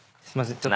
ちょっと。